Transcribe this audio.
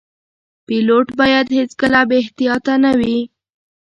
پیلوټ باید هیڅکله بې احتیاطه نه وي.